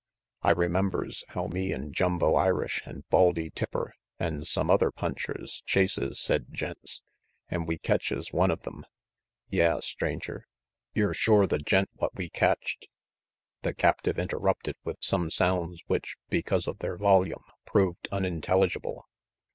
I remembers how me and Jumbo Irish and Baldy Tipper and some other punchers chases said gents, an' we catches one of them. Yeah, Stranger, yer shore the gent what we catched The captive interrupted with some sounds which, because of their volume, proved unintelligible.